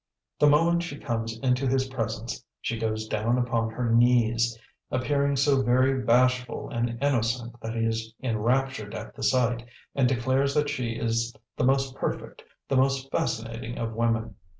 The moment she comes into his presence she goes down upon her knees, appearing so very bashful and innocent that he is enraptured at the sight, and declares that she is the most perfect, the most fascinating of women.